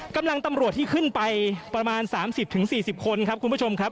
ตำรวจที่ขึ้นไปประมาณ๓๐๔๐คนครับคุณผู้ชมครับ